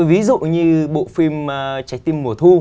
ví dụ như bộ phim trái tim mùa thu